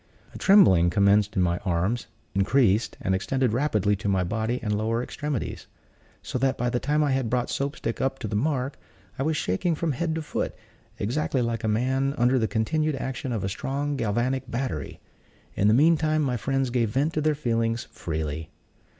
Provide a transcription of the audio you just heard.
A trembling commenced in my arms; increased, and extended rapidly to my body and lower extremities; so that, by the time that I had brought Soap stick up to the mark, I was shaking from head to foot, exactly like a man under the continued action of a strong galvanic battery. In the meantime my friends gave vent to their feelings freely.